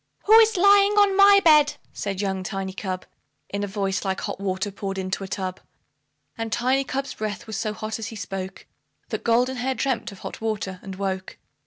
"WHO IS LYING ON MY BED?" said young Tiny Cub, In a voice like hot water poured into a tub. And Tiny cub's breath was so hot as he spoke, That Goldenhair dreamt of hot water, and woke.